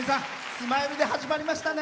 スマイルで始まりましたね。